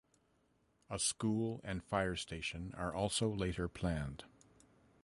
A school and fire station are also later planned.